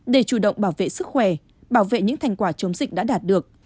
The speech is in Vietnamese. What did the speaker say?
để chủ động bảo vệ sức khỏe bảo vệ những thành quả chống dịch đã đạt được